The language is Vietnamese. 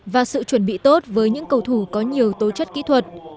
và sự chuẩn bị tốt với những cầu thủ có nhiều tố chất kỹ thuật